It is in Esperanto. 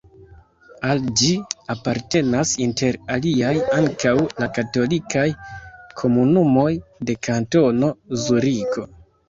Al ĝi apartenas inter aliaj ankaŭ la katolikaj komunumoj de Kantono Zuriko.